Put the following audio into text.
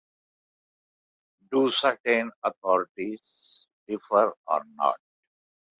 Do certain authorities differ or not?